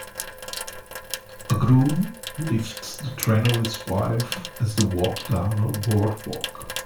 A groom lifts the train of his wife as they walk down a boardwalk.